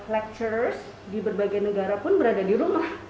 lectures di berbagai negara pun berada di rumah